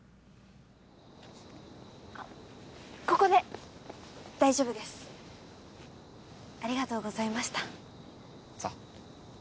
あっここで大丈夫ですありがとうございましたそう